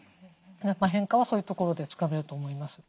変化はそういうところでつかめると思います。